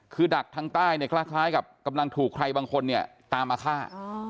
คือดักทางใต้เนี่ยคล้ายกับกำลังถูกใครบางคนเนี่ยตามมาฆ่า